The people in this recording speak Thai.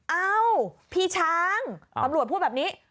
เอ้าพี่ช้างตำรวจพูดแบบนี้